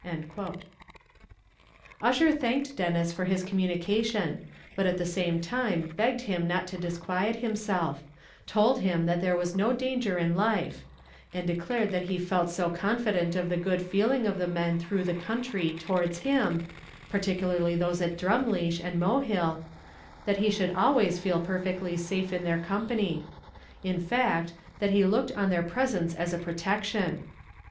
Ussher thanked Denis for his communication, but at the same time begged him not to disquiet himself told him that there was no danger in life; and declared that he felt so confident of the good feeling of the men through the country towards him, particularly those at Drumleesh and Mohill, that he should always feel perfectly safe in their company in fact, that he looked on their presence as a protection.